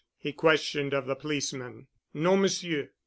he questioned of the policeman. "No, Monsieur."